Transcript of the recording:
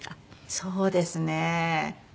そうですね。